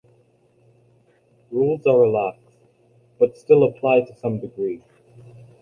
Rules are relaxed, but still apply to some degree.